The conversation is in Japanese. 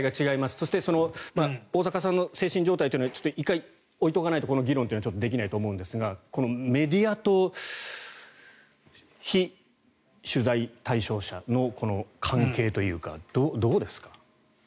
そして、大坂さんの精神状態というのはちょっと１回置いておかないとこの議論はできないと思いますがこのメディアと被取材対象者の関係というかどうですか？